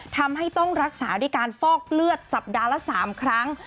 ทำให้ต้องรักษาด้วยการฟอกเลือดสัปดาห์ละ๓ครั้ง